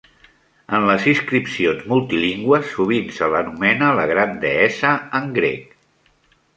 En les inscripcions multilingües, sovint se l'anomena "la gran deessa" en grec.